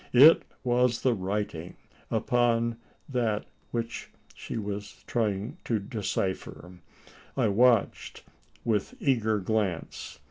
It was the writing upon that she was trying to decipher. I watched with eager glance.